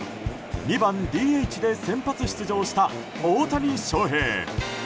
２番ＤＨで先発出場した大谷翔平。